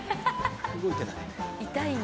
動いてない。